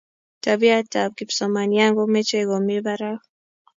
tabiait ab kipsomanian ko mechei komi barak